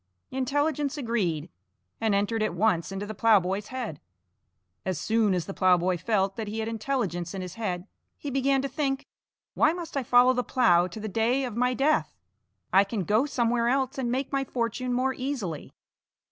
Intelligence agreed, and entered at once into the ploughboy's head. As soon as the ploughboy felt that he had intelligence in his head, he began to think: "Why must I follow the plough to the day of my death? I can go somewhere else and make my fortune more easily."